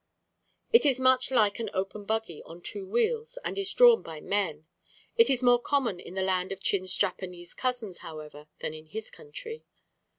It is much like an open buggy on two wheels and is drawn by men. It is more common in the land of Chin's Japanese cousins, however, than in his country.